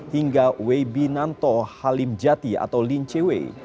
hingga weibinanto halimjati atau lin cewe